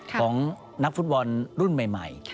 ของนักฟุตบอลรุ่นใหม่